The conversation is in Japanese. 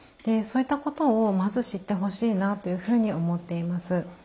そういったことをまず知ってほしいなというふうに思っています。